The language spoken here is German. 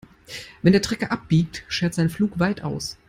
Wenn der Trecker abbiegt, schert sein Pflug weit aus.